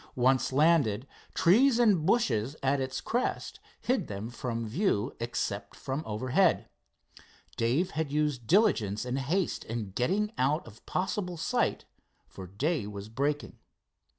Once landed, trees and bushes at its crest hid them from view except from overhead. Dave had used diligence and haste in getting out of possible sight, for day was breaking.